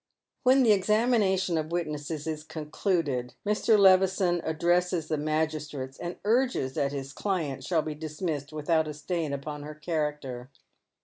When the examination of witnesses is concluded Mr. Levison addresses the magistrates, and urges that his client shall be dis missed without a stain upon her character.